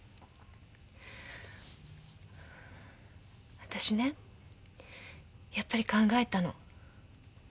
あたしねやっぱり考えたの。